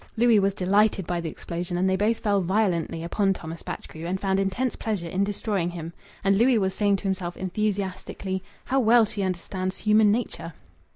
Louis was delighted by the explosion, and they both fell violently upon Thomas Batchgrew and found intense pleasure in destroying him. And Louis was saying to himself, enthusiastically, "How well she understands human nature!"